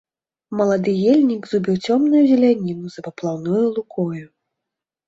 Малады ельнік зубіў цёмную зеляніну за паплаўною лукою.